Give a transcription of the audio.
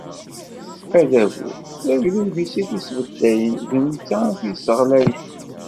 Adabu, d agdud i t-id-yesbeddayen, d netta i t-yessaɣlayen.